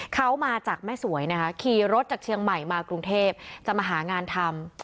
เขามาจากแม่สวยนะคะขี่รถจากเชียงใหม่มากรุงเทพจะมาหางานทำ